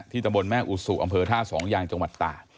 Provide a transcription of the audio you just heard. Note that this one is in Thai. ที่ตะบนแม่อุศุอำเภอท่า๒ยางจังหวัดต่า